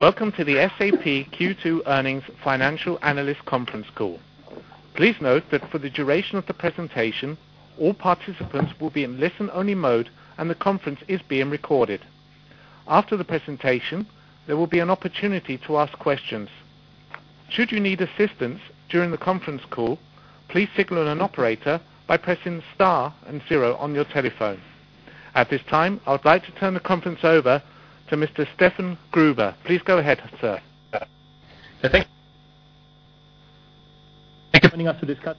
Welcome to the SAP Q2 Earnings Financial Analyst Conference Call. Please note that for the duration of the presentation, all participants will be in listen-only mode, and the conference is being recorded. After the presentation, there will be an opportunity to ask questions. Should you need assistance during the conference call, please signal an operator by pressing the star and zero on your telephone. At this time, I would like to turn the conference over to Mr. Stephan Gruber. Please go ahead, sir. Thank you for joining us to discuss.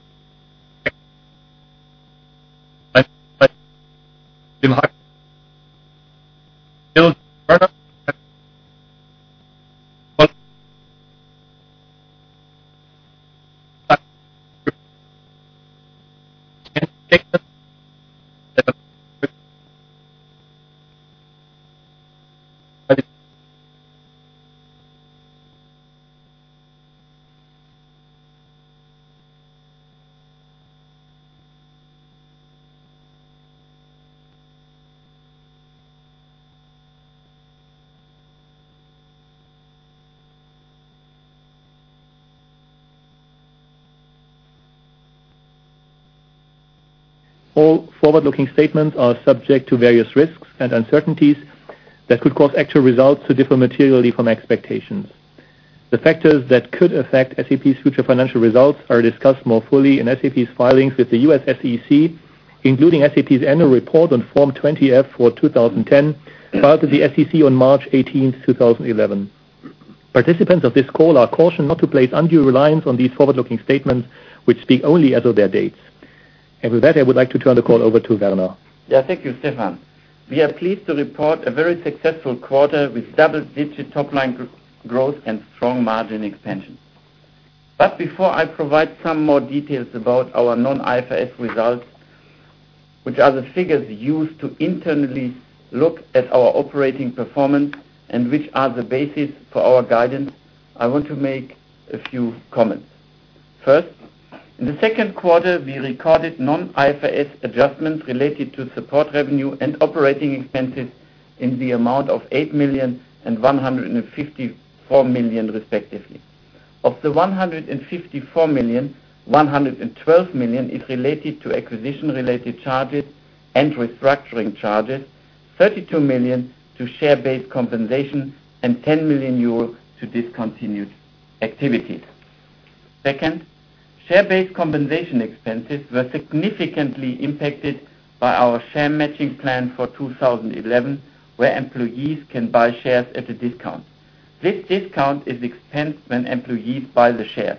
Thank you. All forward-looking statements are subject to various risks and uncertainties that could cause actual results to differ materially from expectations. The factors that could affect SAP's future financial results are discussed more fully in SAP's filings with the U.S. SEC, including SAP's annual report on Form 20-F for 2010 filed to the SEC on March 18, 2011. Participants of this call are cautioned not to place undue reliance on these forward-looking statements, which speak only as of their dates. With that, I would like to turn the call over to Werner. Yeah, thank you, Stephan. We are pleased to report a very successful quarter with double-digit top-line growth and strong margin expansion. Before I provide some more details about our non-IFRS results, which are the figures used to internally look at our operating performance and which are the basis for our guidance, I want to make a few comments. First, in the second quarter, we recorded non-IFRS adjustments related to support revenue and operating expenses in the amount of 8 million and 154 million, respectively. Of the 154 million, 112 million is related to acquisition-related charges and restructuring charges, 32 million to share-based compensation, and 10 million euro to discontinued activities. Second, share-based compensation expenses were significantly impacted by our share matching plan for 2011, where employees can buy shares at a discount. This discount is expensed when employees buy the shares.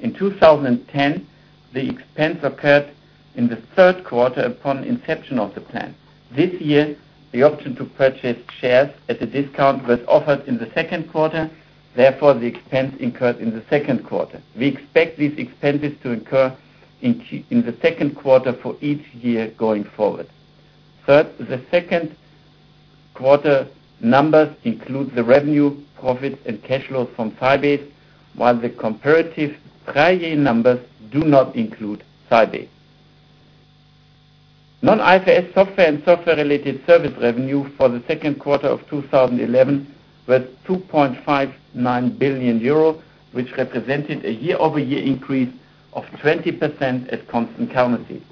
In 2010, the expense occurred in the third quarter upon inception of the plan. This year, the option to purchase shares at a discount was offered in the second quarter, therefore, the expense incurred in the second quarter. We expect these expenses to incur in the second quarter for each year going forward. Third, the second quarter numbers include the revenue, profit, and cash flow from Fargate, while the comparative prior-year numbers do not include Fargate. Non-IFRS software and software-related service revenue for the second quarter of 2011 was 2.59 billion euro, which represented a year-over-year increase of 20% at constant currency.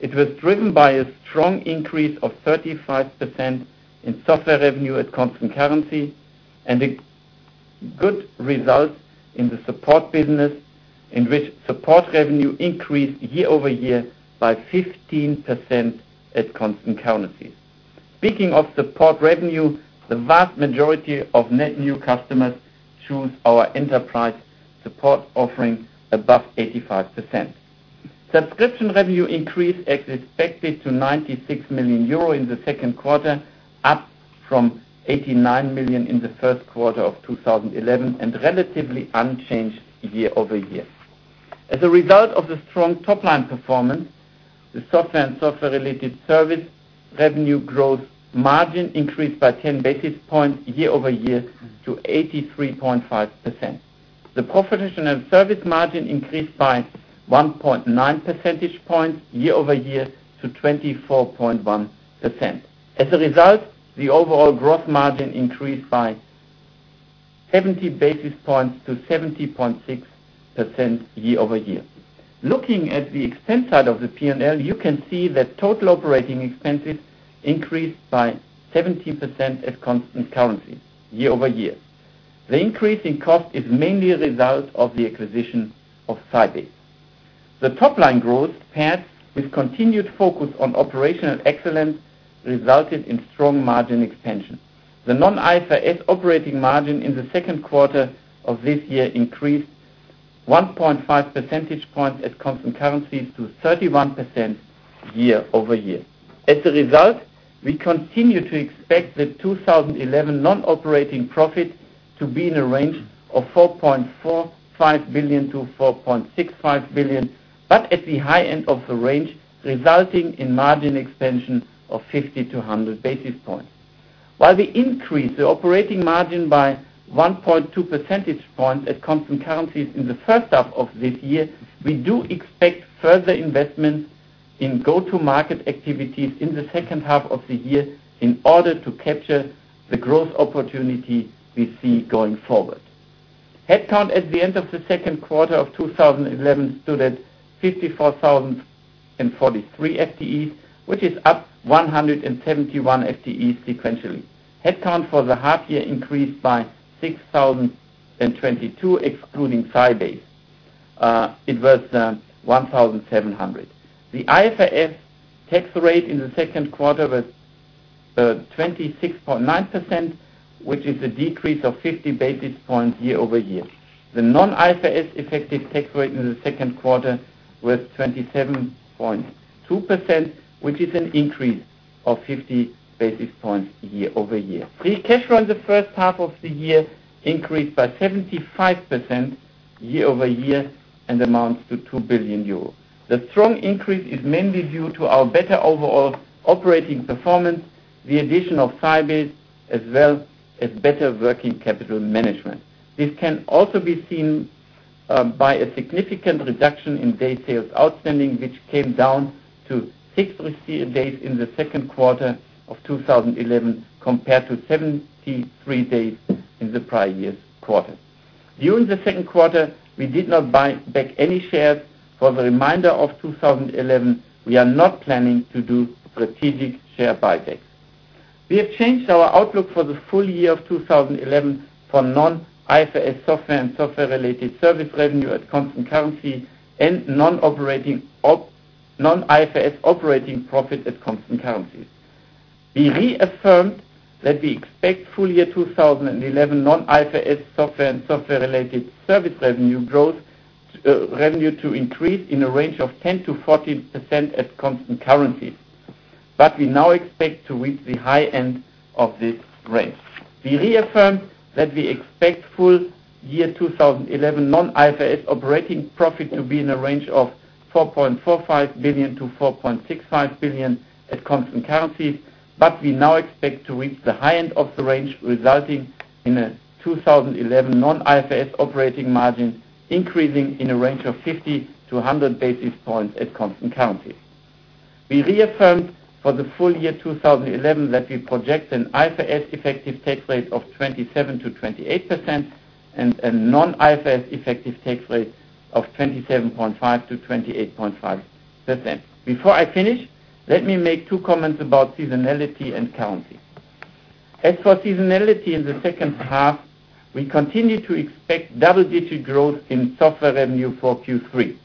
It was driven by a strong increase of 35% in software revenue at constant currency and a good result in the support business, in which support revenue increased year-over-year by 15% at constant currency. Speaking of support revenue, the vast majority of net new customers choose our enterprise support offering, above 85%. Subscription revenue increased as expected to 96 million euro in the second quarter, up from 89 million in the first quarter of 2011, and relatively unchanged year-over-year. As a result of the strong top-line performance, the software and software-related service revenue gross margin increased by 10 basis points year-over-year to 83.5%. The profit and service margin increased by 1.9 percentage points year-over-year to 24.1%. As a result, the overall gross margin increased by 70 basis points to 70.6% year-over-year. Looking at the expense side of the P&L, you can see that total operating expenses increased by 70% at constant currency year-over-year. The increase in cost is mainly a result of the acquisition of Fargate. The top-line growth paired with continued focus on operational excellence resulted in strong margin expansion. The non-IFRS operating margin in the second quarter of this year increased 1.5 percentage points at constant currency to 31% year-over-year. As a result, we continue to expect the 2011 non-operating profit to be in a range of 4.45 billion-4.65 billion, at the high end of the range, resulting in margin expansion of 50-100 basis points. While we increased the operating margin by 1.2 percentage points at constant currency in the first half of the year, we do expect further investments in go-to-market activities in the second half of the year in order to capture the growth opportunity we see going forward. Headcount at the end of the second quarter of 2011 stood at 54,043 FTEs, which is up 171 FTEs sequentially. Headcount for the half-year increased by 6,022 excluding Fargate. It was 1,700. The IFRS tax rate in the second quarter was 26.9%, which is a decrease of 50 basis points year-over-year. The non-IFRS effective tax rate in the second quarter was 27.2%, which is an increase of 50 basis points year-over-year. The cash flow in the first half of the year increased by 75% year-over-year and amounts to 2 billion euros. The strong increase is mainly due to our better overall operating performance, the addition of Fargate as well as better working capital management. This can also be seen by a significant reduction in day sales outstanding, which came down to 63 days in the second quarter of 2011 compared to 73 days in the prior year's quarter. During the second quarter, we did not buy back any shares. For the remainder of 2011, we are not planning to do strategic share buybacks. We have changed our outlook for the full year of 2011 for non-IFRS software and software-related service revenue at constant currency and non-IFRS operating profit at constant currency. We reaffirmed that we expect full year 2011 non-IFRS software and software-related service revenue to increase in a range of 10% to 14% at constant currency. We now expect to reach the high end of this range. We reaffirmed that we expect full year 2011 non-IFRS operating profit to be in a range of 4.45 billion-4.65 billion at constant currency, but we now expect to reach the high end of the range, resulting in a 2011 non-IFRS operating margin increasing in a range of 50-100 basis points at constant currency. We reaffirmed for the full year 2011 that we project an IFRS effective tax rate of 27%-28% and a non-IFRS effective tax rate of 27.5%-28.5%. Before I finish, let me make two comments about seasonality and currency. As for seasonality in the second half, we continue to expect double-digit growth in software revenue for Q3,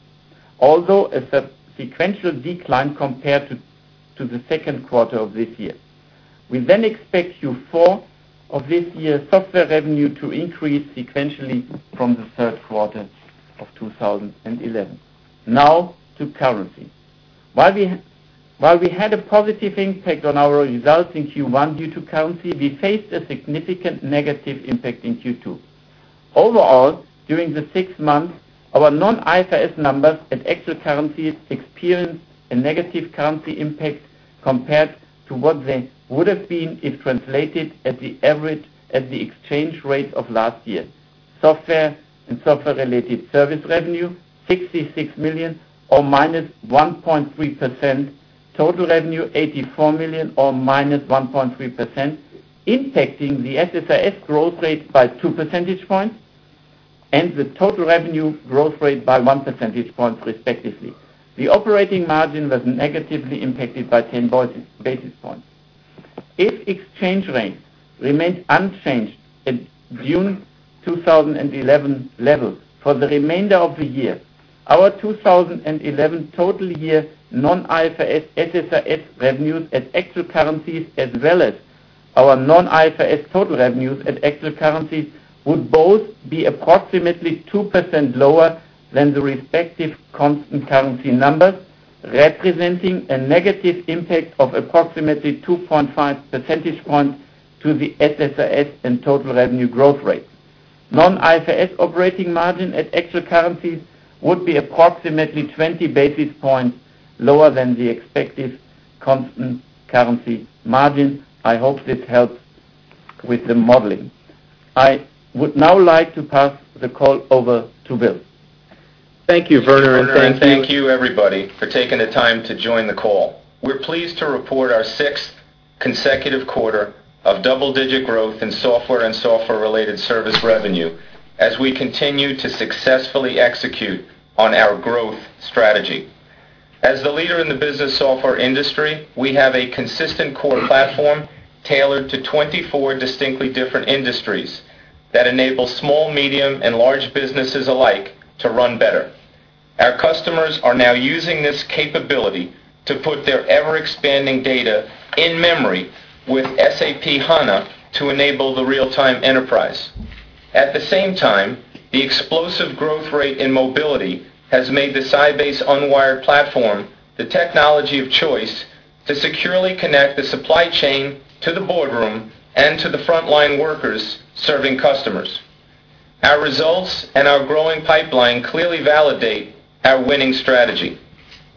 although a subsequential decline compared to the second quarter of this year. We then expect Q4 of this year software revenue to increase sequentially from the third quarter of 2011. Now to currency. While we had a positive impact on our result in Q1 due to currency, we faced a significant negative impact in Q2. Overall, during the six months, our non-IFRS numbers at actual currency experienced a negative currency impact compared to what they would have been if translated at the average at the exchange rate of last year. Software and software-related service revenue 66 million or -1.3%, total revenue 84 million or -1.3%, impacting the SFRS growth rate by 2 percentage points and the total revenue growth rate by 1 percentage point, respectively. The operating margin was negatively impacted by 10 basis points. If exchange rate remained unchanged at June 2011 level for the remainder of the year, our 2011 total year non-IFRS SFRS revenues at actual currencies as well as our non-IFRS total revenues at actual currencies would both be approximately 2% lower than the respective constant currency numbers, representing a negative impact of approximately 2.5 percentage points to the SFRS and total revenue growth rate. Non-IFRS operating margin at actual currency would be approximately 20 basis points lower than the expected constant currency margin. I hope this helps with the modeling. I would now like to pass the call over to Bill. Thank you, Werner, and thank you, everybody, for taking the time to join the call. We're pleased to report our sixth consecutive quarter of double-digit growth in software and software-related service revenue as we continue to successfully execute on our growth strategy. As the leader in the business software industry, we have a consistent core platform tailored to 24 distinctly different industries that enable small, medium, and large businesses alike to run better. Our customers are now using this capability to put their ever-expanding data in memory with SAP HANA to enable the real-time enterprise. At the same time, the explosive growth rate in mobility has made the Sybase Unwired Platform the technology of choice to securely connect the supply chain to the boardroom and to the frontline workers serving customers. Our results and our growing pipeline clearly validate our winning strategy.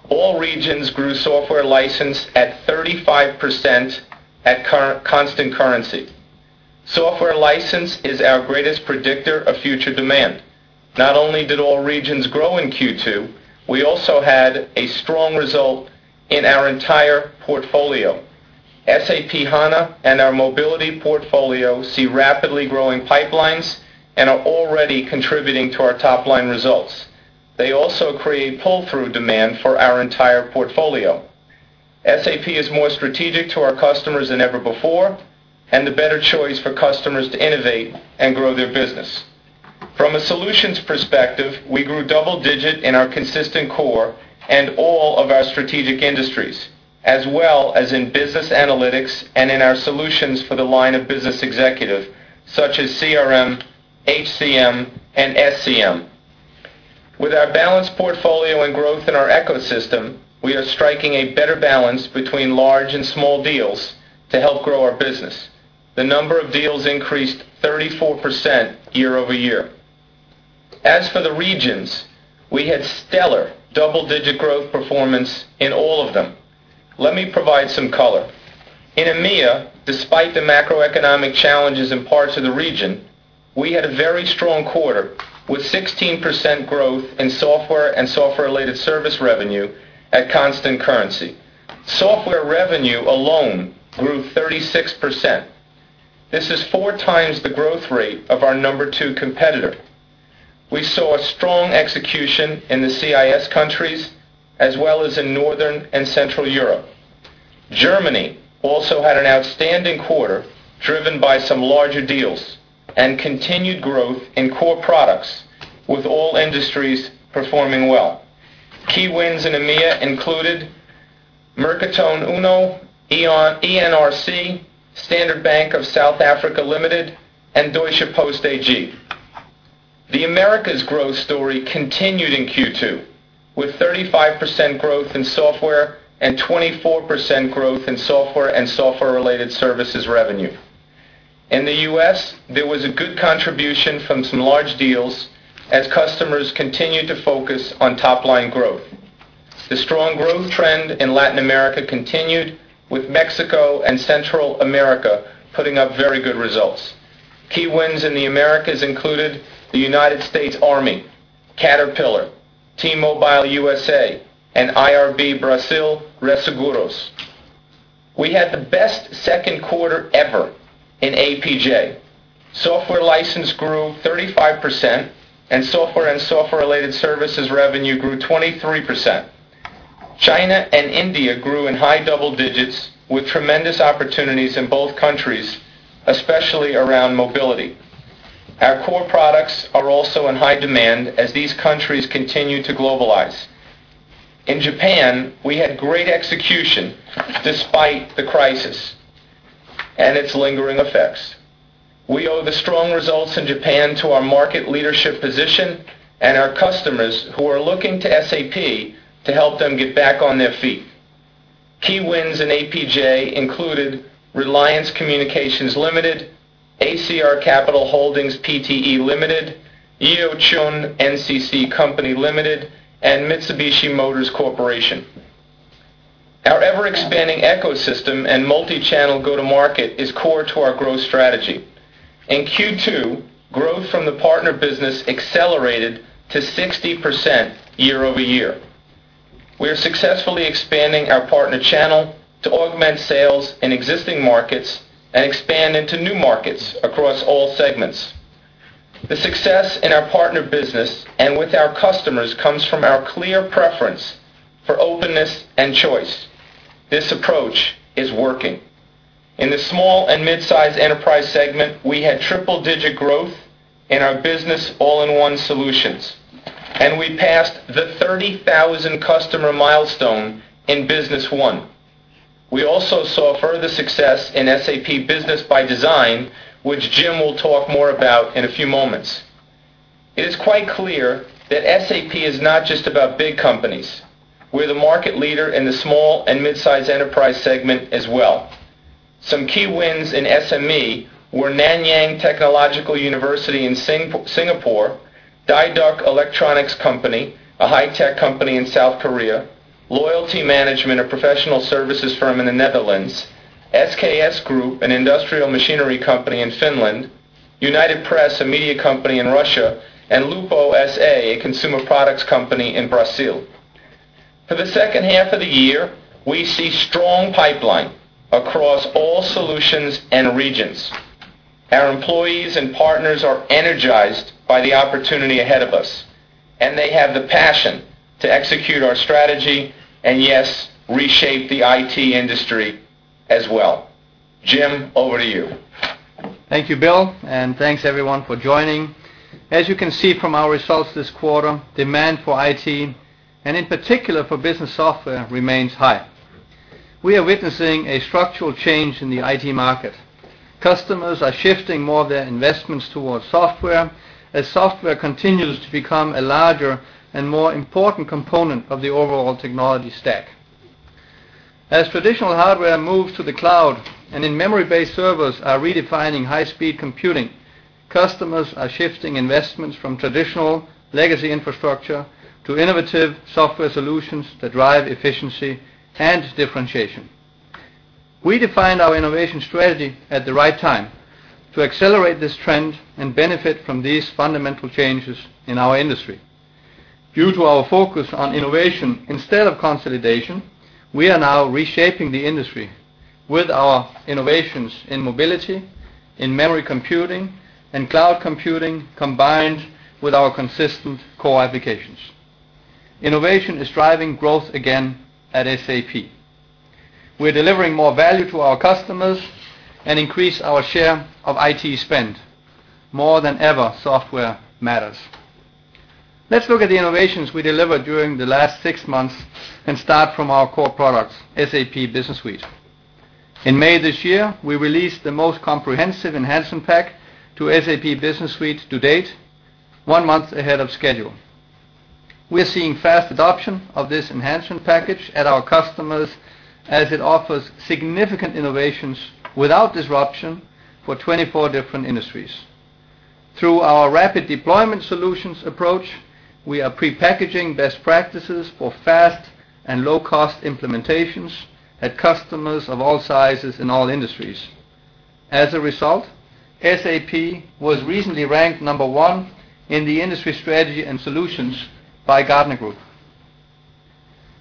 All regions grew software license at 35% at current constant currency. Software license is our greatest predictor of future demand. Not only did all regions grow in Q2, we also had a strong result in our entire portfolio. SAP HANA and our mobility portfolio see rapidly growing pipelines and are already contributing to our top-line results. They also create pull-through demand for our entire portfolio. SAP is more strategic to our customers than ever before and a better choice for customers to innovate and grow their business. From a solutions perspective, we grew double-digit in our consistent core and all of our strategic industries, as well as in business analytics and in our solutions for the line of business executive, such as CRM, HCM, and SCM. With our balanced portfolio and growth in our ecosystem, we are striking a better balance between large and small deals to help grow our business. The number of deals increased 34% year-over-year. As for the regions, we had stellar double-digit growth performance in all of them. Let me provide some color. In EMEA, despite the macroeconomic challenges in parts of the region, we had a very strong quarter with 16% growth in software and software-related service revenue at constant currency. Software revenue alone grew 36%. This is four times the growth rate of our number two competitor. We saw a strong execution in the CIS countries, as well as in Northern and Central Europe. Germany also had an outstanding quarter driven by some larger deals and continued growth in core products, with all industries performing well. Key wins in EMEA included Mercotone Uno, ENRC, Standard Bank of South Africa Limited, and Deutsche Post AG. The Americas growth story continued in Q2 with 35% growth in software and 24% growth in software and software-related services revenue. In the U.S., there was a good contribution from some large deals as customers continued to focus on top-line growth. The strong growth trend in Latin America continued with Mexico and Central America putting up very good results. Key wins in the Americas included the United States Army, Caterpillar, T-Mobile USA, and IRB Brasil Resseguros. We had the best second quarter ever in APJ. Software license grew 35% and software and software-related services revenue grew 23%. China and India grew in high double-digits with tremendous opportunities in both countries, especially around mobility. Our core products are also in high demand as these countries continue to globalize. In Japan, we had great execution despite the crisis and its lingering effects. We owe the strong results in Japan to our market leadership position and our customers who are looking to SAP to help them get back on their feet. Key wins in APJ included Reliance Communications Limited, ACR Capital Holdings PTE Limited, YEOCHUN NCC Company Limited, and Mitsubishi Motors Corporation. Our ever-expanding ecosystem and multi-channel go-to-market is core to our growth strategy. In Q2, growth from the partner business accelerated to 60% year over year. We are successfully expanding our partner channel to augment sales in existing markets and expand into new markets across all segments. The success in our partner business and with our customers comes from our clear preference for openness and choice. This approach is working. In the small and mid-size enterprise segment, we had triple-digit growth in our business all-in-one solutions, and we passed the 30,000 customer milestone in Business One. We also saw further success in SAP Business ByDesign, which Jim will talk more about in a few moments. It is quite clear that SAP is not just about big companies. We're the market leader in the small and mid-size enterprise segment as well. Some key wins in SME were Nanyang Technological University in Singapore, Daeduck Electronics Company, a high-tech company in South Korea, Loyalty Management, a professional services firm in the Netherlands, SKS Group, an industrial machinery company in Finland, United Press, a media company in Russia, and Lupo SA, a consumer products company in Brazil. For the second half of the year, we see strong pipeline across all solutions and regions. Our employees and partners are energized by the opportunity ahead of us, and they have the passion to execute our strategy and, yes, reshape the IT industry as well. Jim, over to you. Thank you, Bill, and thanks everyone for joining. As you can see from our results this quarter, demand for IT, and in particular for business software, remains high. We are witnessing a structural change in the IT market. Customers are shifting more of their investments towards software as software continues to become a larger and more important component of the overall technology stack. As traditional hardware moves to the cloud and in-memory-based servers are redefining high-speed computing, customers are shifting investments from traditional legacy infrastructure to innovative software solutions that drive efficiency and differentiation. We defined our innovation strategy at the right time to accelerate this trend and benefit from these fundamental changes in our industry. Due to our focus on innovation instead of consolidation, we are now reshaping the industry with our innovations in mobility, in-memory computing, and cloud computing combined with our consistent core applications. Innovation is driving growth again at SAP. We're delivering more value to our customers and increase our share of IT spend. More than ever, software matters. Let's look at the innovations we delivered during the last six months and start from our core products, SAP Business Suite. In May this year, we released the most comprehensive enhancement pack to SAP Business Suite to date, one month ahead of schedule. We're seeing fast adoption of this enhancement package at our customers as it offers significant innovations without disruption for 24 different industries. Through our rapid deployment solutions approach, we are prepackaging best practices for fast and low-cost implementations at customers of all sizes in all industries. As a result, SAP was recently ranked number one in the industry strategy and solutions by Gartner Group.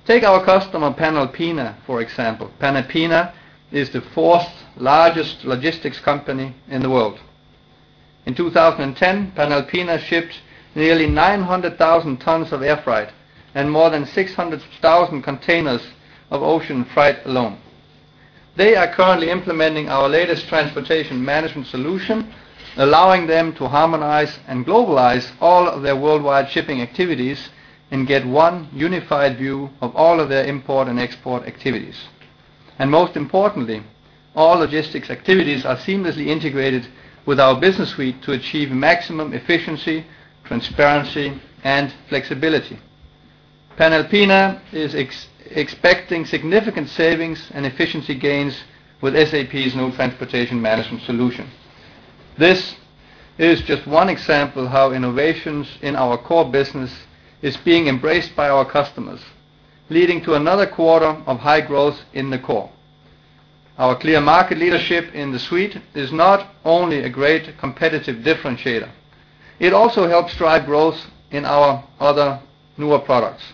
Take our customer Panalpina, for example. Panalpina is the fourth largest logistics company in the world. In 2010, Panalpina shipped nearly 900,000 tons of air freight and more than 600,000 containers of ocean freight alone. They are currently implementing our latest transportation management solution, allowing them to harmonize and globalize all of their worldwide shipping activities and get one unified view of all of their import and export activities. Most importantly, all logistics activities are seamlessly integrated with our business suite to achieve maximum efficiency, transparency, and flexibility. Panalpina is expecting significant savings and efficiency gains with SAP's new transportation management solution. This is just one example of how innovations in our core business are being embraced by our customers, leading to another quarter of high growth in the core. Our clear market leadership in the suite is not only a great competitive differentiator, it also helps drive growth in our other newer products.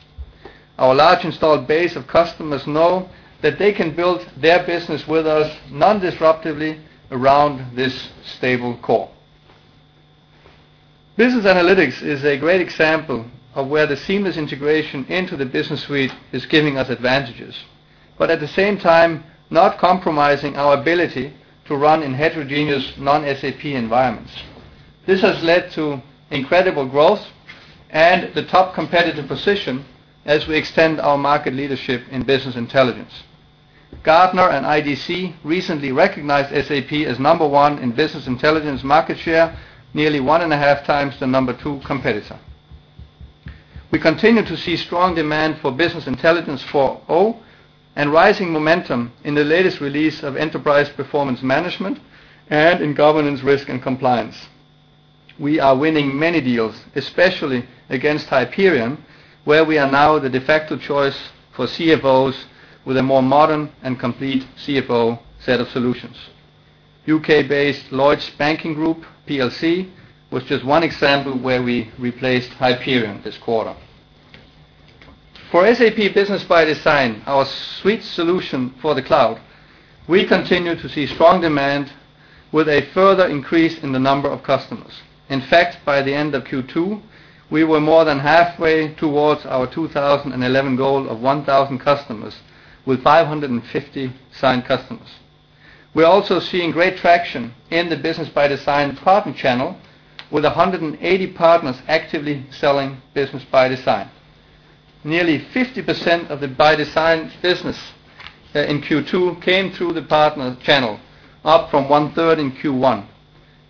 Our large installed base of customers know that they can build their business with us non-disruptively around this stable core. Business analytics is a great example of where the seamless integration into the business suite is giving us advantages, but at the same time, not compromising our ability to run in heterogeneous non-SAP environments. This has led to incredible growth and the top competitive position as we extend our market leadership in business intelligence. Gartner and IDC recently recognized SAP as number one in business intelligence market share, nearly one and a half times the number two competitor. We continue to see strong demand for business intelligence 4.0 and rising momentum in the latest release of enterprise performance management and in governance, risk, and compliance. We are winning many deals, especially against Hyperion, where we are now the de facto choice for CFOs with a more modern and complete CFO set of solutions. UK-based large banking group PLC was just one example where we replaced Hyperion this quarter. For SAP Business ByDesign, our suite solution for the cloud, we continue to see strong demand with a further increase in the number of customers. In fact, by the end of 2011 Q2, we were more than halfway towards our 2011 goal of 1,000 customers with 550 signed customers. We're also seeing great traction in the Business ByDesign partner channel with 180 partners actively selling Business ByDesign. Nearly 50% of the ByDesign business in Q2 came through the partner channel, up from one-third in Q1.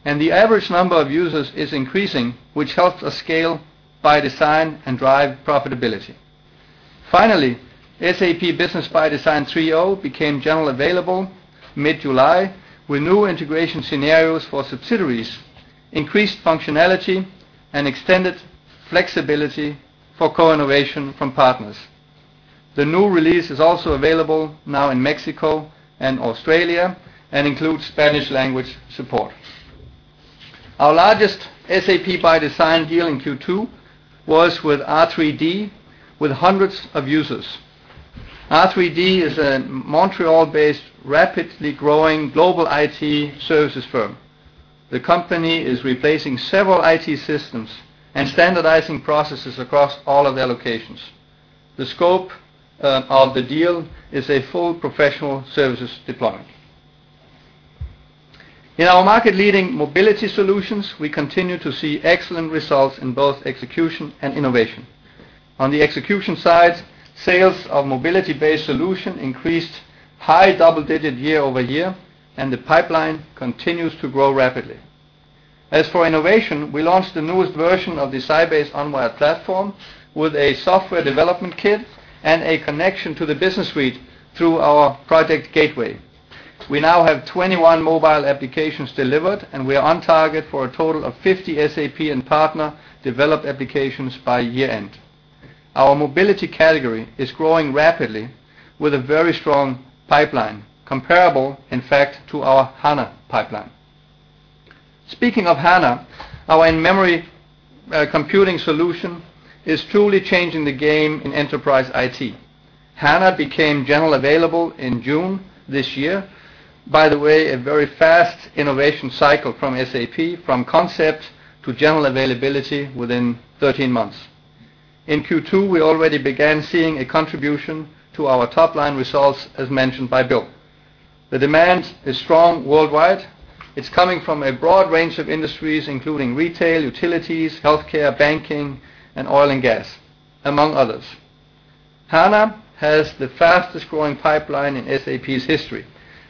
The average number of users is increasing, which helps us scale ByDesign and drive profitability. Finally, SAP Business ByDesign 3.0 became generally available mid-July with new integration scenarios for subsidiaries, increased functionality, and extended flexibility for co-innovation from partners. The new release is also available now in Mexico and Australia and includes Spanish language support. Our largest SAP ByDesign deal in Q2 was with R3D with hundreds of users. R3D is a Montreal-based, rapidly growing global IT services firm. The company is replacing several IT systems and standardizing processes across all of their locations. The scope of the deal is a full professional services deployment. In our market-leading mobility solutions, we continue to see excellent results in both execution and innovation. On the execution side, sales of mobility-based solutions increased high double-digit year over year, and the pipeline continues to grow rapidly. As for innovation, we launched the newest version of the Sybase Unwired Platform with a software development kit and a connection to the Business Suite through our project gateway. We now have 21 mobile applications delivered, and we are on target for a total of 50 SAP and partner-developed applications by year-end. Our mobility category is growing rapidly with a very strong pipeline, comparable, in fact, to our HANA pipeline. Speaking of HANA, our in-memory computing solution is truly changing the game in enterprise IT. HANA became generally available in June this year, by the way, a very fast innovation cycle from SAP, from concept to general availability within 13 months. In Q2, we already began seeing a contribution to our top-line results, as mentioned by Bill. The demand is strong worldwide. It's coming from a broad range of industries, including retail, utilities, healthcare, banking, and oil and gas, among others. HANA has the fastest growing pipeline in SAP's history.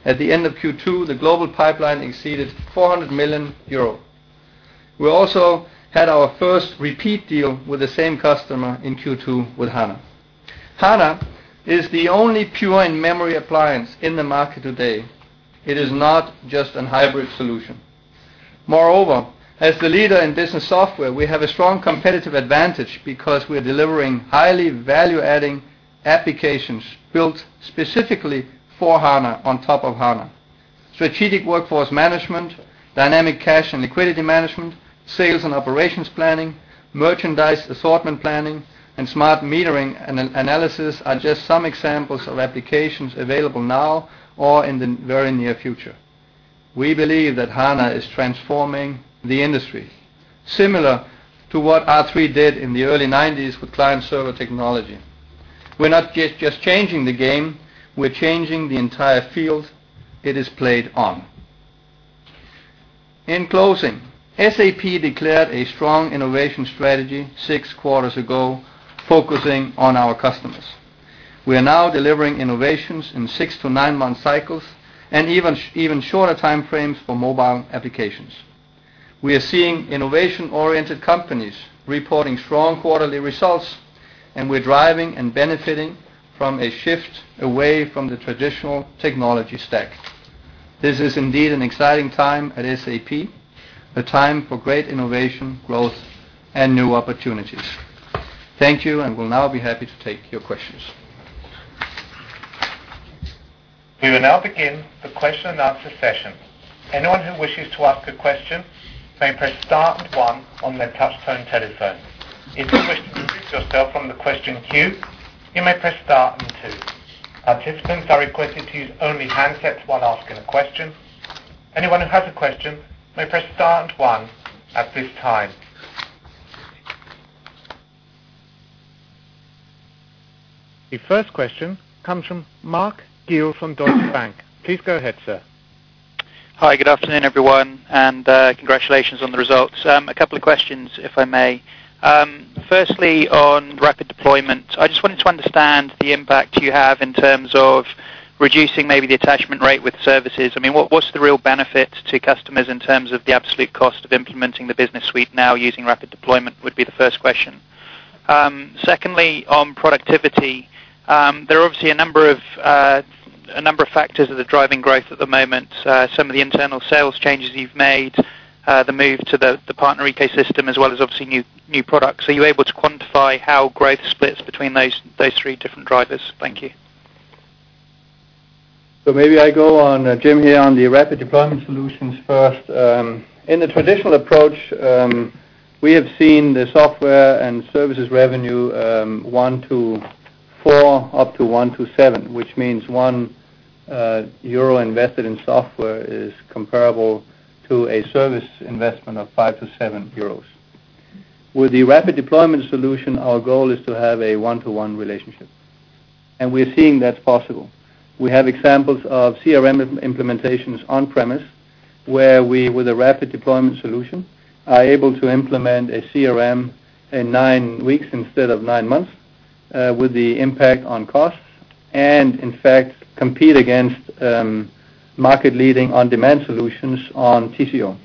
At the end of Q2, the global pipeline exceeded 400 million euro. We also had our first repeat deal with the same customer in Q2 with HANA. HANA is the only pure in-memory appliance in the market today. It is not just a hybrid solution. Moreover, as the leader in business software, we have a strong competitive advantage because we're delivering highly value-adding applications built specifically for HANA on top of HANA. Strategic workforce management, dynamic cash and liquidity management, sales and operations planning, merchandise assortment planning, and smart metering and analysis are just some examples of applications available now or in the very near future. We believe that HANA is transforming the industry, similar to what R3D did in the early 1990s with client-server technology. We're not just changing the game; we're changing the entire field it is played on. In closing, SAP declared a strong innovation strategy six quarters ago, focusing on our customers. We are now delivering innovations in six to nine-month cycles and even shorter timeframes for mobile applications. We are seeing innovation-oriented companies reporting strong quarterly results, and we're driving and benefiting from a shift away from the traditional technology stack. This is indeed an exciting time at SAP, a time for great innovation, growth, and new opportunities. Thank you, and we'll now be happy to take your questions. We will now begin the question and answer session. Anyone who wishes to ask a question may press star and one on their touch-tone telephone. If you wish to delete yourself from the question queue, you may press star and two. Our participants are requested to use only handsets while asking a question. Anyone who has a question may press star and one at this time. The first question comes from Mark Gill from Deutsche Bank. Please go ahead, sir. Hi, good afternoon, everyone, and congratulations on the results. A couple of questions, if I may. Firstly, on rapid deployment, I just wanted to understand the impact you have in terms of reducing maybe the attachment rate with services. I mean, what's the real benefit to customers in terms of the absolute cost of implementing the Business Suite now using rapid deployment would be the first question. Secondly, on productivity, there are obviously a number of factors that are driving growth at the moment. Some of the internal sales changes you've made, the move to the partner ecosystem, as well as obviously new products. Are you able to quantify how growth splits between those three different drivers? Thank you. Maybe I go on, Jim, here on the rapid deployment solutions first. In the traditional approach, we have seen the software and services revenue one to four, up to one to seven, which means one euro invested in software is comparable to a service investment of five to seven euros. With the rapid deployment solution, our goal is to have a one-to-one relationship. We're seeing that's possible. We have examples of CRM implementations on-premise where we, with a rapid deployment solution, are able to implement a CRM in nine weeks instead of nine months with the impact on costs and, in fact, compete against market-leading on-demand solutions on TCO.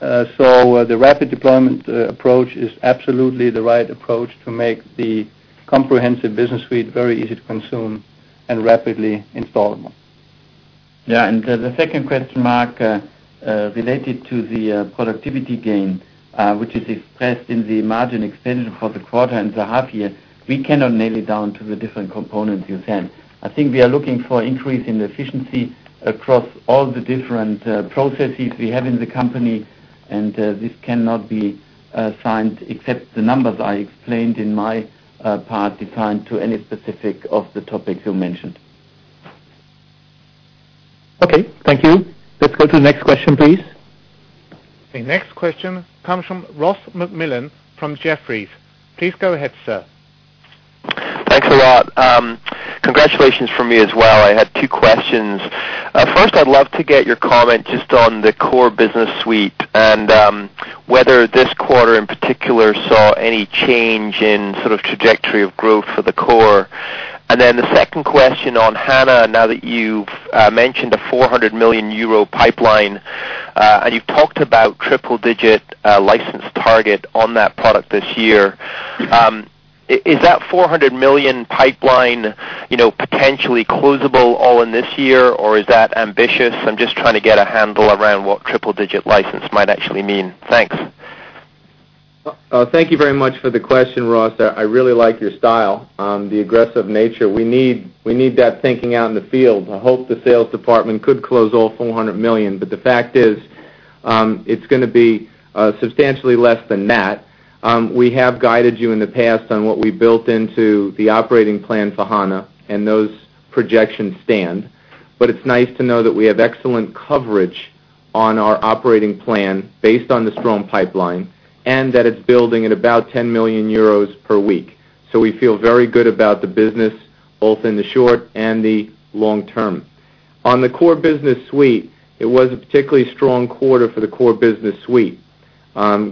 The rapid deployment approach is absolutely the right approach to make the comprehensive business suite very easy to consume and rapidly installable. Yeah, the second question, Mark, related to the productivity gain, which is expressed in the margin expansion for the quarter and the half year. We cannot nail it down to the different components, Yuhsan. I think we are looking for increase in efficiency across all the different processes we have in the company, and this cannot be assigned except the numbers I explained in my part defined to any specific of the topics you mentioned. Okay, thank you. Let's go to the next question, please. The next question comes from Ross MacMillan from Jefferies. Please go ahead, sir. Thanks a lot. Congratulations from me as well. I had two questions. First, I'd love to get your comment just on the core SAP Business Suite and whether this quarter in particular saw any change in sort of trajectory of growth for the core. The second question on HANA, now that you've mentioned a 400 million euro pipeline and you've talked about triple-digit license target on that product this year, is that 400 million pipeline, you know, potentially closable all in this year, or is that ambitious? I'm just trying to get a handle around what triple-digit license might actually mean. Thanks. Thank you very much for the question, Ross. I really like your style, the aggressive nature. We need that thinking out in the field. I hope the sales department could close all 400 million, but the fact is it's going to be substantially less than that. We have guided you in the past on what we built into the operating plan for HANA, and those projections stand. It is nice to know that we have excellent coverage on our operating plan based on the strong pipeline and that it's building at about 10 million euros per week. We feel very good about the business both in the short and the long-term. On the core Business Suite, it was a particularly strong quarter for the core Business Suite,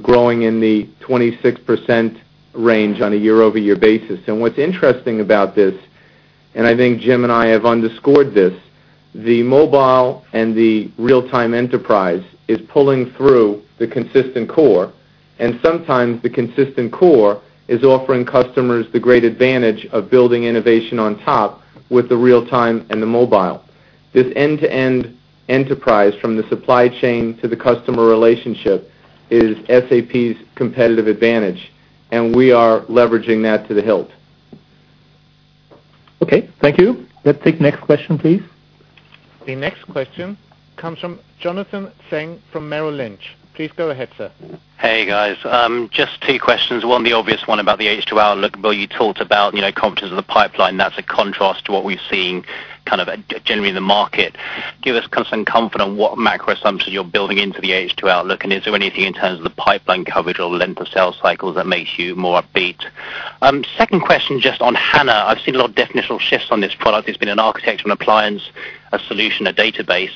growing in the 26% range on a year-over-year basis. What's interesting about this, and I think Jim and I have underscored this, the mobile and the real-time enterprise is pulling through the consistent core, and sometimes the consistent core is offering customers the great advantage of building innovation on top with the real-time and the mobile. This end-to-end enterprise from the supply chain to the customer relationship is SAP's competitive advantage, and we are leveraging that to the hilt. Okay, thank you. Let's take the next question, please. The next question comes from Jonathan Zhang from Merrill Lynch. Please go ahead, sir. Hey guys, just two questions. One, the obvious one about the H2 outlook. Bill, you talked about, you know, confidence of the pipeline. That's a contrast to what we've seen kind of generally in the market. Give us some comfort on what macro assumptions you're building into the H2 outlook, and is there anything in terms of the pipeline coverage or length of sales cycles that makes you more upbeat? Second question just on HANA. I've seen a lot of definitional shifts on this product. It's been an architecture and appliance, a solution, a database.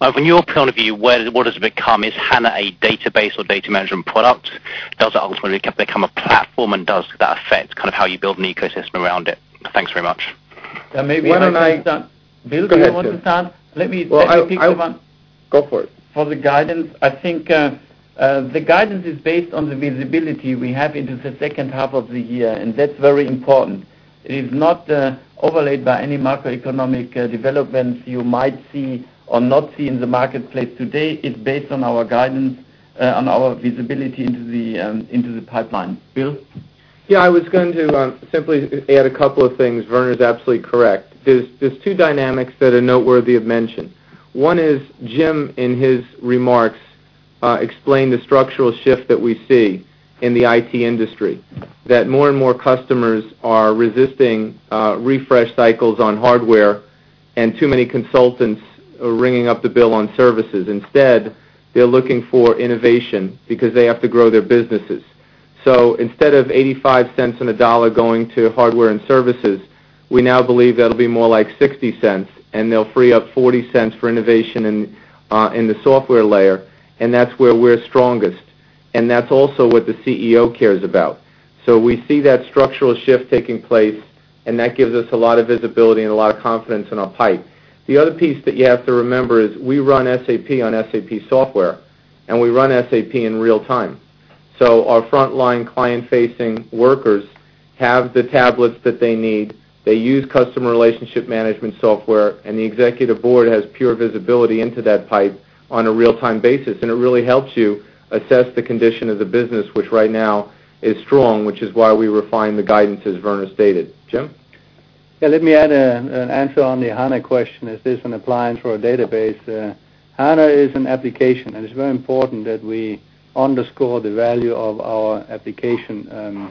From your point of view, what has it become? Is HANA a database or data management product? Does it ultimately become a platform, and does that affect kind of how you build an ecosystem around it? Thanks very much. Maybe I'll... Why don't I... Bill, go ahead. One more time, let me... Go for it. For the guidance, I think the guidance is based on the visibility we have into the second half of the year, and that's very important. It is not overlaid by any macroeconomic developments you might see or not see in the marketplace today. It's based on our guidance, on our visibility into the pipeline. Bill? Yeah, I was going to simply add a couple of things. Werner is absolutely correct. There are two dynamics that are noteworthy of mention. One is Jim, in his remarks, explained the structural shift that we see in the IT industry, that more and more customers are resisting refresh cycles on hardware, and too many consultants are ringing up the bill on services. Instead, they're looking for innovation because they have to grow their businesses. Instead of $0.85 on a dollar going to hardware and services, we now believe that'll be more like $0.60, and they'll free up $0.40 for innovation in the software layer, and that's where we're strongest. That's also what the CEO cares about. We see that structural shift taking place, and that gives us a lot of visibility and a lot of confidence in our pipe. The other piece that you have to remember is we run SAP on SAP software, and we run SAP in real time. Our frontline client-facing workers have the tablets that they need. They use customer relationship management software, and the Executive Board has pure visibility into that pipe on a real-time basis, and it really helps you assess the condition of the business, which right now is strong, which is why we refine the guidance, as Werner stated. Jim? Yeah, let me add an answer on the HANA question. Is this an appliance or a database? HANA is an application, and it's very important that we underscore the value of our application.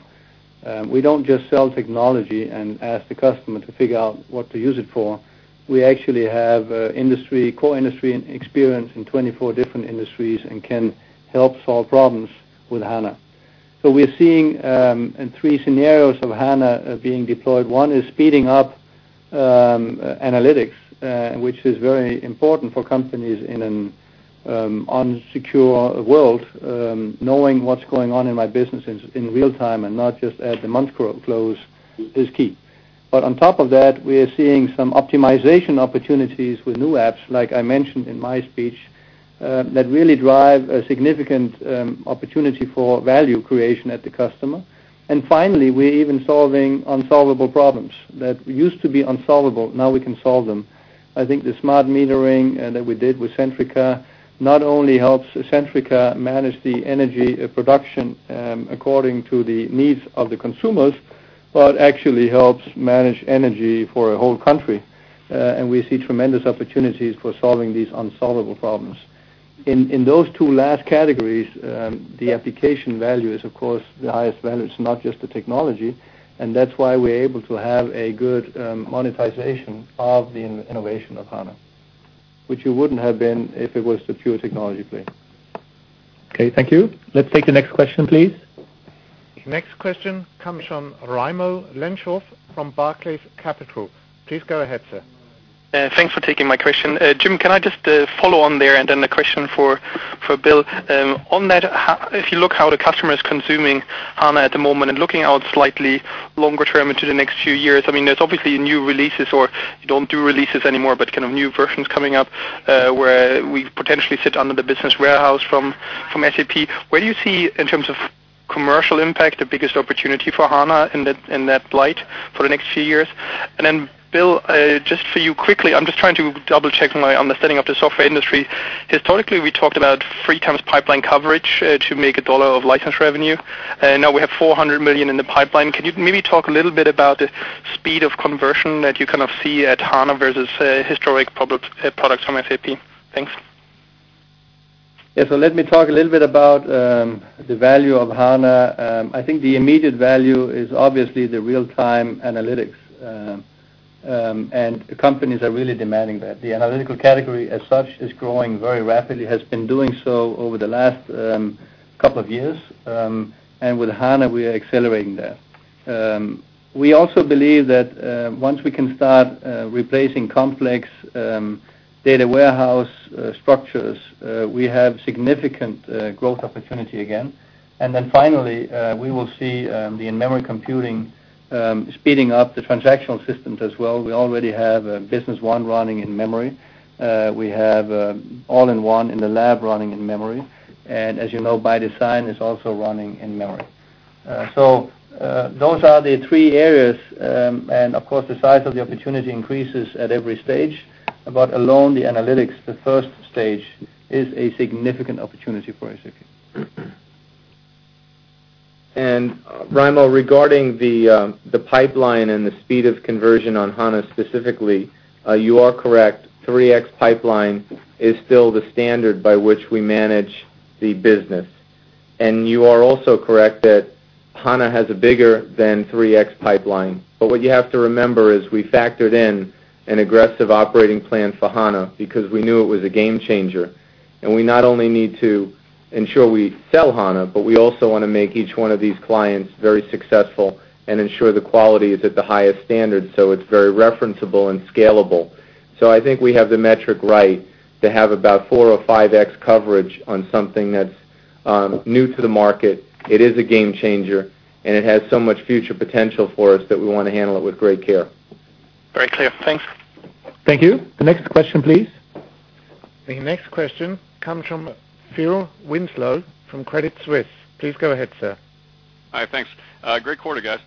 We don't just sell technology and ask the customer to figure out what to use it for. We actually have core industry experience in 24 different industries and can help solve problems with HANA. We're seeing three scenarios of HANA being deployed. One is speeding up analytics, which is very important for companies in an unsecure world. Knowing what's going on in my business in real time and not just at the month's close is key. We are seeing some optimization opportunities with new apps, like I mentioned in my speech, that really drive a significant opportunity for value creation at the customer. Finally, we're even solving unsolvable problems that used to be unsolvable. Now we can solve them. I think the smart metering that we did with Centrica not only helps Centrica manage the energy production according to the needs of the consumers, but actually helps manage energy for a whole country. We see tremendous opportunities for solving these unsolvable problems. In those two last categories, the application value is, of course, the highest value. It's not just the technology, and that's why we're able to have a good monetization of the innovation of HANA, which it wouldn't have been if it was the pure technology play. Okay, thank you. Let's take the next question, please. Next question comes from Raimo Lenschow from Barclays Capital. Please go ahead, sir. Thanks for taking my question. Jim, can I just follow on there and then the question for Bill? If you look at how the customer is consuming HANA at the moment and looking out slightly longer term into the next few years, there's obviously new releases or you don't do releases anymore, but kind of new versions coming up where we potentially sit under the business warehouse from SAP. Where do you see, in terms of commercial impact, the biggest opportunity for HANA in that light for the next few years? Bill, just for you quickly, I'm just trying to double-check my understanding of the software industry. Historically, we talked about 3x pipeline coverage to make a dollar of license revenue. Now we have $400 million in the pipeline. Can you maybe talk a little bit about the speed of conversion that you kind of see at HANA versus historic products from SAP? Thanks. Yeah, let me talk a little bit about the value of HANA. I think the immediate value is obviously the real-time analytics, and companies are really demanding that. The analytical category as such is growing very rapidly, has been doing so over the last couple of years, and with HANA, we are accelerating that. We also believe that once we can start replacing complex data warehouse structures, we have significant growth opportunity again. Finally, we will see the in-memory computing speeding up the transactional systems as well. We already have Business One running in memory. We have All-in-One in the lab running in memory, and as you know, ByDesign is also running in memory. Those are the three areas, and of course, the size of the opportunity increases at every stage, but alone the analytics, the first stage, is a significant opportunity for SAP. Raimo, regarding the pipeline and the speed of conversion on HANA specifically, you are correct, 3x pipeline is still the standard by which we manage the business. You are also correct that HANA has a bigger than 3x pipeline. What you have to remember is we factored in an aggressive operating plan for HANA because we knew it was a game changer. We not only need to ensure we sell HANA, but we also want to make each one of these clients very successful and ensure the quality is at the highest standard so it's very referenceable and scalable. I think we have the metric right to have about 4x-5x coverage on something that's new to the market. It is a game changer, and it has so much future potential for us that we want to handle it with great care. Very clear. Thanks. Thank you. Next question, please. The next question comes from Phil Winslow from Credit Suisse. Please go ahead, sir. All right, thanks. Great quarter, guys.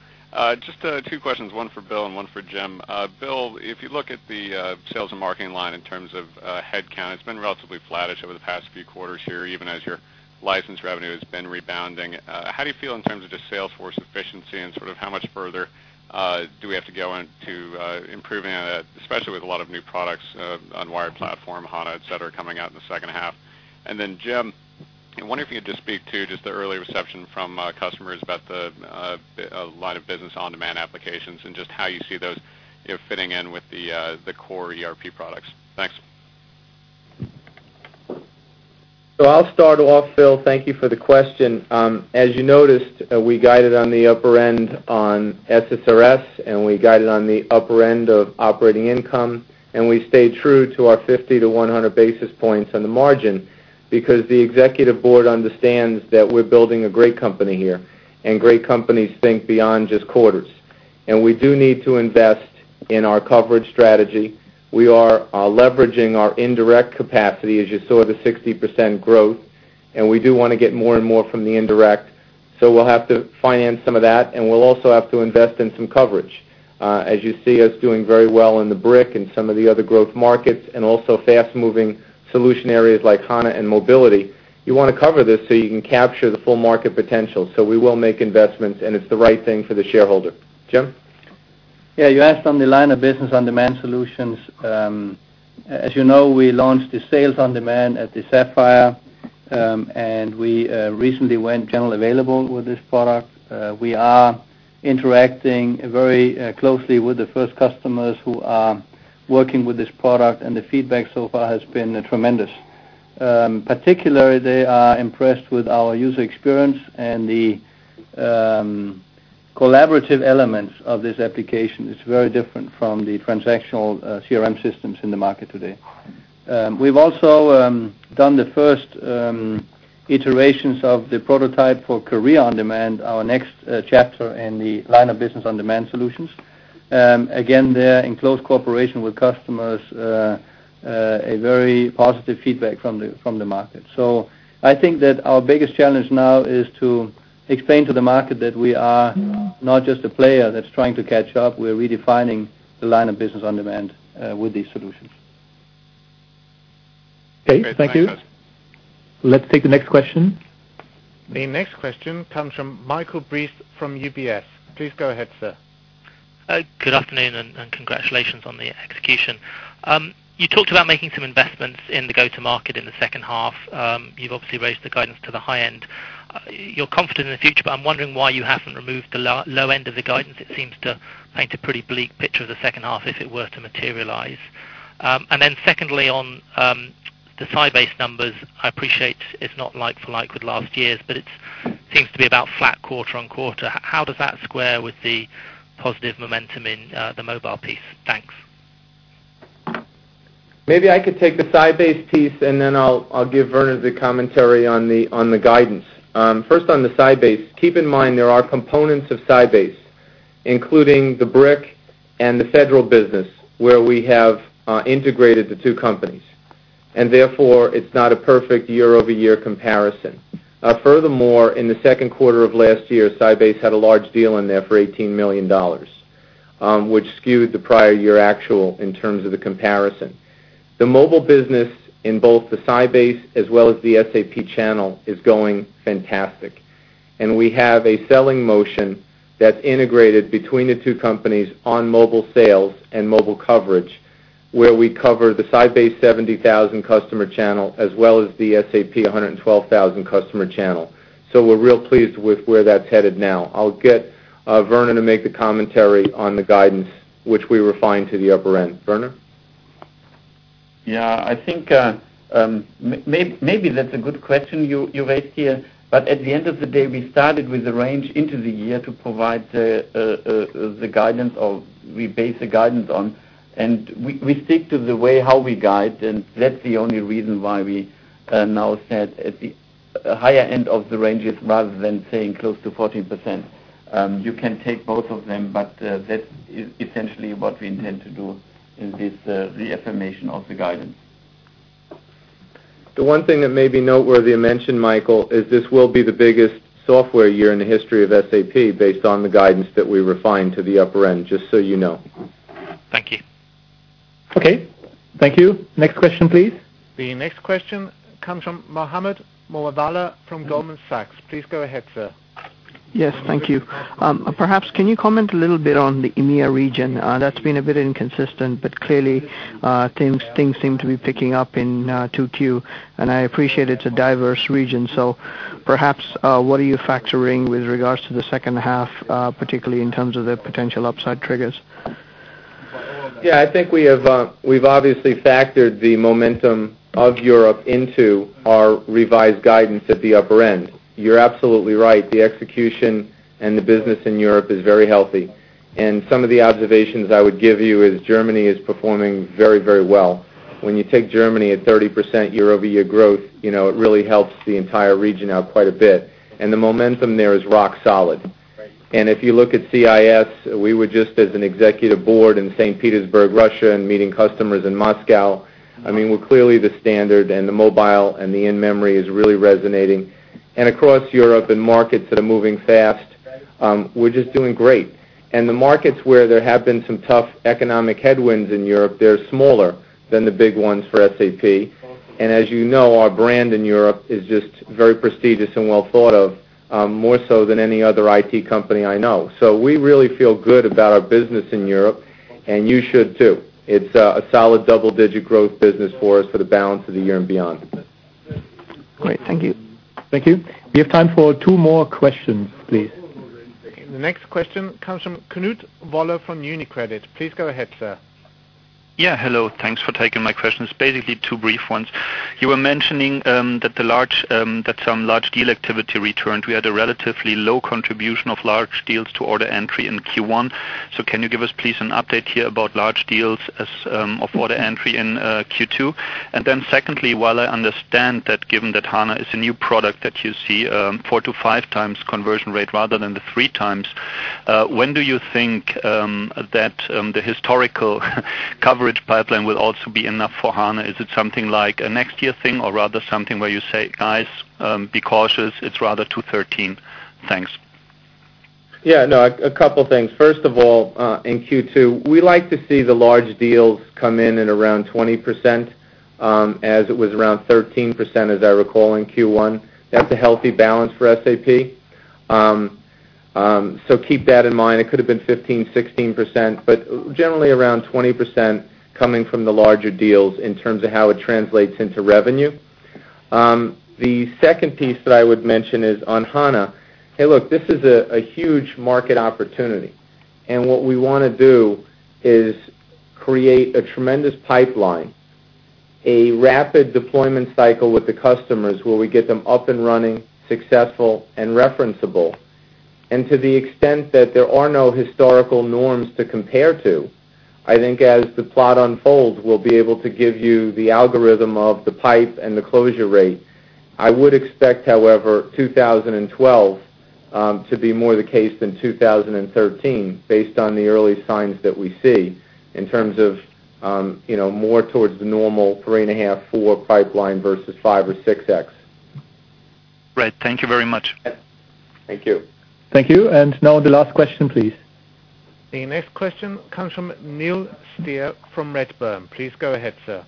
Just two questions, one for Bill and one for Jim. Bill, if you look at the sales and marketing line in terms of headcount, it's been relatively flattish over the past few quarters here, even as your license revenue has been rebounding. How do you feel in terms of just salesforce efficiency and sort of how much further do we have to go into improving on that, especially with a lot of new products, Sybase Unwired Platform, HANA, et cetera, coming out in the second half? Jim, I wonder if you could just speak to just the early reception from customers about the line of business on-demand applications and just how you see those fitting in with the core ERP products. Thanks. Thank you for the question, Phil. As you noticed, we guided on the upper end on assets RS, and we guided on the upper end of operating income, and we stayed true to our 50-100 basis points on the margin because the Executive Board understands that we're building a great company here, and great companies think beyond just quarters. We do need to invest in our coverage strategy. We are leveraging our indirect capacity, as you saw, the 60% growth, and we do want to get more and more from the indirect. We'll have to finance some of that, and we'll also have to invest in some coverage. As you see us doing very well in the BRIC and some of the other growth markets and also fast-moving solution areas like HANA and mobility, you want to cover this so you can capture the full market potential. We will make investments, and it's the right thing for the shareholder. Jim? Yeah, you asked on the line of business on-demand solutions. As you know, we launched the sales on-demand at the Sapphire, and we recently went generally available with this product. We are interacting very closely with the first customers who are working with this product, and the feedback so far has been tremendous. Particularly, they are impressed with our user experience and the collaborative elements of this application. It's very different from the transactional CRM systems in the market today. We've also done the first iterations of the prototype for Korea on-demand, our next chapter in the line of business on-demand solutions. Again, they're in close cooperation with customers, a very positive feedback from the market. I think that our biggest challenge now is to explain to the market that we are not just a player that's trying to catch up. We're redefining the line of business on-demand with these solutions. Okay, thank you. Let's take the next question. The next question comes from Michael Briest from UBS. Please go ahead, sir. Good afternoon, and congratulations on the execution. You talked about making some investments in the go-to-market in the second half. You've obviously raised the guidance to the high end. You're confident in the future, but I'm wondering why you haven't removed the low end of the guidance. It seems to paint a pretty bleak picture of the second half if it were to materialize. Secondly, on the Sybase numbers, I appreciate it's not like for like with last year's, but it seems to be about flat quarter on quarter. How does that square with the positive momentum in the mobile piece? Thanks. Maybe I could take the Sybase piece, and then I'll give Werner the commentary on the guidance. First, on the Sybase, keep in mind there are components of Sybase, including the brick and the federal business where we have integrated the two companies, and therefore it's not a perfect year-over-year comparison. Furthermore, in the second quarter of last year, Sybase had a large deal in there for $18 million, which skewed the prior year actual in terms of the comparison. The mobile business in both the Sybase as well as the SAP channel is going fantastic. We have a selling motion that's integrated between the two companies on mobile sales and mobile coverage where we cover the Sybase 70,000 customer channel as well as the SAP 112,000 customer channel. We're real pleased with where that's headed now. I'll get Werner to make the commentary on the guidance, which we refine to the upper end. Werner? Yeah, I think maybe that's a good question you raised here, but at the end of the day, we started with the range into the year to provide the guidance or we base the guidance on, and we stick to the way how we guide, and that's the only reason why we now set at the higher end of the ranges rather than saying close to 14%. You can take both of them, but that's essentially what we intend to do in this reaffirmation of the guidance. The one thing that may be noteworthy to mention, Michael, is this will be the biggest software year in the history of SAP based on the guidance that we refine to the upper end, just so you know. Thank you. Okay, thank you. Next question, please. The next question comes from Mohammed Moawalla from Goldman Sachs. Please go ahead, sir. Yes, thank you. Perhaps, can you comment a little bit on the EMEA region? That's been a bit inconsistent, but clearly things seem to be picking up in Q2, and I appreciate it's a diverse region. Perhaps, what are you factoring with regards to the second half, particularly in terms of the potential upside triggers? Yeah, I think we've obviously factored the momentum of Europe into our revised guidance at the upper end. You're absolutely right. The execution and the business in Europe is very healthy. Some of the observations I would give you is Germany is performing very, very well. When you take Germany at 30% year-over-year growth, you know it really helps the entire region out quite a bit. The momentum there is rock solid. If you look at CIS, we were just as an Executive Board in St. Petersburg, Russia, and meeting customers in Moscow. We're clearly the standard, and the mobile and the in-memory is really resonating. Across Europe and markets that are moving fast, we're just doing great. The markets where there have been some tough economic headwinds in Europe, they're smaller than the big ones for SAP. As you know, our brand in Europe is just very prestigious and well thought of, more so than any other IT company I know. We really feel good about our business in Europe, and you should too. It's a solid double-digit growth business for us for the balance of the year and beyond. Great, thank you. Thank you. We have time for two more questions, please. The next question comes from Knut Waller from UniCredit. Please go ahead, sir. Yeah, hello. Thanks for taking my questions. Basically, two brief ones. You were mentioning that some large deal activity returned. We had a relatively low contribution of large deals to order entry in Q1. Can you give us please an update here about large deals of order entry in Q2? Secondly, while I understand that given that HANA is a new product that you see four to five times conversion rate rather than the three times, when do you think that the historical coverage pipeline will also be enough for HANA? Is it something like a next year thing or rather something where you say, guys, be cautious, it's rather 2013? Thanks. Yeah, no, a couple of things. First of all, in Q2, we like to see the large deals come in at around 20%, as it was around 13%, as I recall, in Q1. That's a healthy balance for SAP. Keep that in mind. It could have been 15%-16%, but generally around 20% coming from the larger deals in terms of how it translates into revenue. The second piece that I would mention is on HANA. Hey, look, this is a huge market opportunity. What we want to do is create a tremendous pipeline, a rapid deployment cycle with the customers where we get them up and running, successful, and referenceable. To the extent that there are no historical norms to compare to, I think as the plot unfolds, we'll be able to give you the algorithm of the pipe and the closure rate. I would expect, however, 2012 to be more the case than 2013 based on the early signs that we see in terms of more towards the normal three and a half, four pipeline versus five or six X. Great, thank you very much. Thank you. Thank you. Now the last question, please. The next question comes from Neil Steer from Redburn. Please go ahead, sir.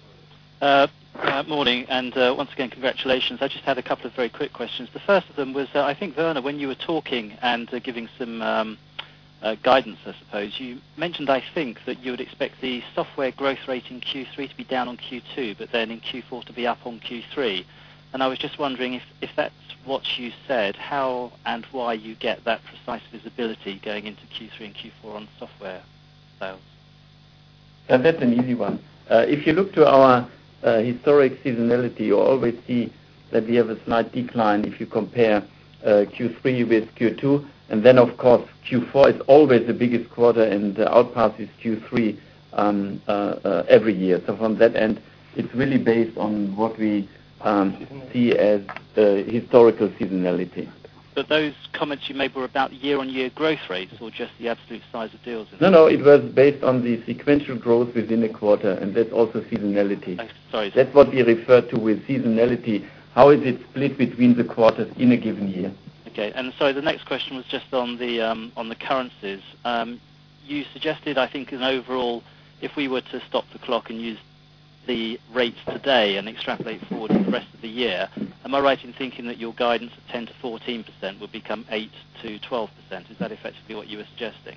Morning, and once again, congratulations. I just had a couple of very quick questions. The first of them was, I think, Werner, when you were talking and giving some guidance, I suppose, you mentioned, I think, that you would expect the software growth rate in Q3 to be down on Q2, but in Q4 to be up on Q3. I was just wondering if that's what you said, how and why you get that precise visibility going into Q3 and Q4 on software sales. That's a new one. If you look to our historic seasonality, you always see that we have a slight decline if you compare Q3 with Q2. Of course, Q4 is always the biggest quarter, and the outpass is Q3 every year. From that end, it's really based on what we see as historical seasonality. Were those comments you made about year-on-year growth rates or just the absolute size of deals? No, it was based on the sequential growth within a quarter, and that's also seasonality. Sorry. That's what we refer to with seasonality. How is it split between the quarters in a given year? Okay, sorry, the next question was just on the currencies. You suggested, I think, an overall, if we were to stop the clock and use the rates today and extrapolate forward to the rest of the year, am I right in thinking that your guidance at 10%-14% will become 8%-12%? Is that effectively what you were suggesting?